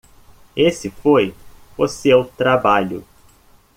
Esse foi o seu trabalho.